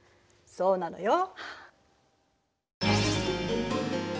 そうなのよ。